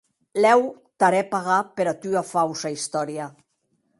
Lèu te harè pagar pera tua fausa istòria.